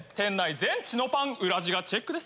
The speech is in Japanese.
全チノパン裏地がチェックです。